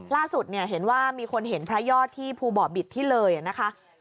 ล่าสุดเนี่ยเห็นว่ามีคนเห็นพระยอดที่ภูบ่อบิตที่เลยนะคะ